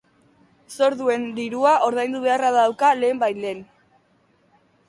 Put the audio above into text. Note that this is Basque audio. Zor duen dirua ordaindu beharra dauka lehen bait lehen.